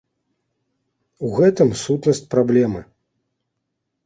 У гэтым сутнасць праблемы.